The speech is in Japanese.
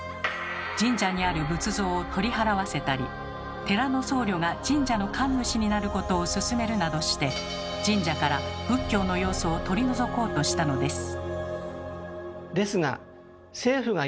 神社にある仏像を取り払わせたり寺の僧侶が神社の神主になることを勧めるなどして神社から仏教の要素を取り除こうとしたのです。